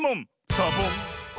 サボン！